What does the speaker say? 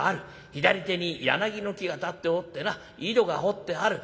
左手に柳の木が立っておってな井戸が掘ってある」。